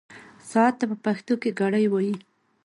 ساعت ته په پښتو کې ګړۍ وايي.